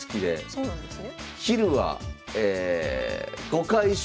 そうなんですね。